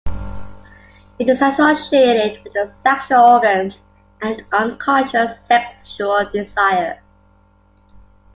It is associated with the sexual organs, and unconscious sexual desire.